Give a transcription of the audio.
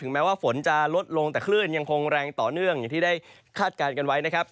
แม้ว่าฝนจะลดลงแต่คลื่นยังคงแรงต่อเนื่องอย่างที่ได้คาดการณ์กันไว้นะครับ